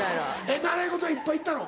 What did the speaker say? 習い事いっぱいいったの？